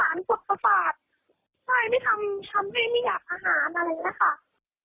มันสารกดประสาททำให้ไม่อยากอาหารอะไรอย่างนี้นะครับ